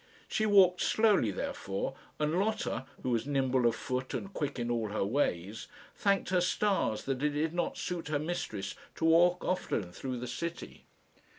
She walked slowly, therefore; and Lotta, who was nimble of foot and quick in all her ways, thanked her stars that it did not suit her mistress to walk often through the city.